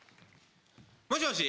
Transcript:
もしもし？